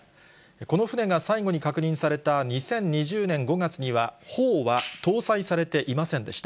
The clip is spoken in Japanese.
この船が最後に確認された２０２０年５月には、砲は搭載されていませんでした。